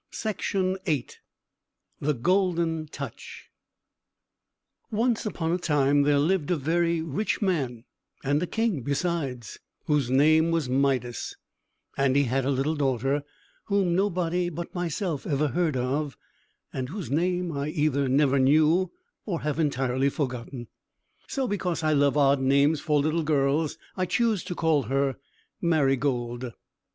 CHAPTER IV THE GOLDEN TOUCH Once upon a time, there lived a very rich man, and a king besides, whose name was Midas; and he had a little daughter, whom nobody but myself ever heard of, and whose name I either never knew, or have entirely forgotten. So, because I love odd names for little girls, I choose to call her Marygold.